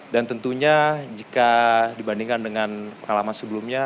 dan tentunya jika dibandingkan dengan pengalaman sebelumnya